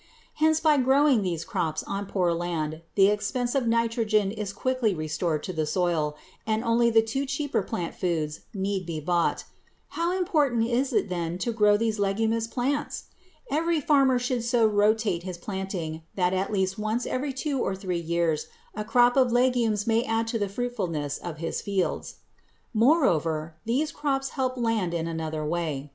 Hence by growing these crops on poor land the expensive nitrogen is quickly restored to the soil, and only the two cheaper plant foods need be bought. How important it is then to grow these leguminous plants! Every farmer should so rotate his planting that at least once every two or three years a crop of legumes may add to the fruitfulness of his fields. Moreover these crops help land in another way.